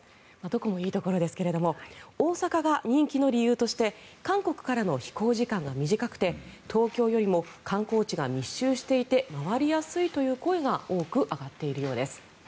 どこもいいところですが大阪が人気の理由として韓国の飛行時間が短くて東京よりも観光地が密集していて回りやすいという声が多く上がっているようです。